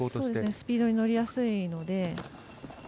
スピードに乗りやすいので。